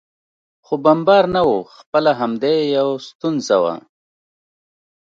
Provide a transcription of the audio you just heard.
خو بمبار نه و، خپله همدې یو ستونزه وه.